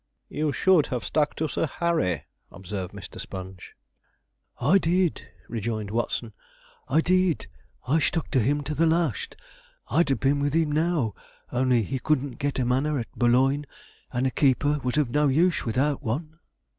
'You should have stuck to Sir Harry,' observed Mr. Sponge. 'I did,' rejoined Watson. 'I did, I stuck to him to the last. I'd have been with him now, only he couldn't get a manor at Boulogne, and a keeper was of no use without one.'